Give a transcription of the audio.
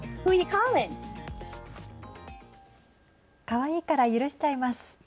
かわいいから許しちゃいます。